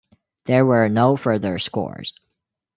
There were no further scores.